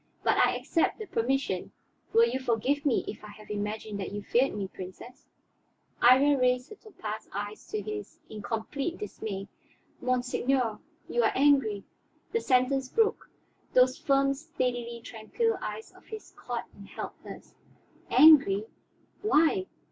"But I accept the permission. Will you forgive me if I have imagined that you feared me, Princess?" Iría raised her topaz eyes to his in complete dismay. "Monseigneur, you are angry " The sentence broke; those firm, steadily tranquil eyes of his caught and held hers. "Angry? Why?